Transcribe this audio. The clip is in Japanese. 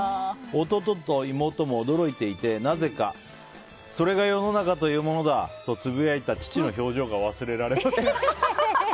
弟と妹も驚いていてなぜか、それが世の中というものだとつぶやいた父の表情が忘れられません。